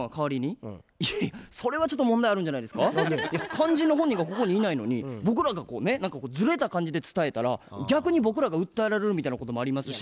肝心の本人がここにいないのに僕らがこうね何かずれた感じで伝えたら逆に僕らが訴えられるみたいなこともありますし。